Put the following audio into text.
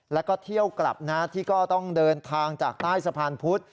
แล้วก็เที่ยวกลับนะที่ก็ต้องเดินทางจากใต้สะพานพุธ